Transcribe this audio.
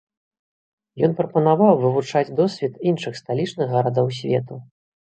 Ён прапанаваў вывучаць досвед іншых сталічных гарадоў свету.